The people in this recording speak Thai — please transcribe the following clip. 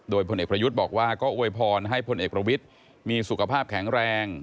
โดยพลเอกประยุทธ์บอกว่าก็อวยพรให้พลเอกประวิทย์มีสุขภาพแข็งแรง